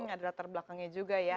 ini ada latar belakangnya juga ya